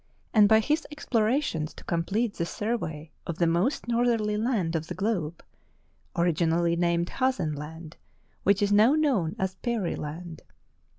and by his explorations to com plete the survey of the most northerly land of the globe — originally named Hazen Land, which is now known as Peary Land.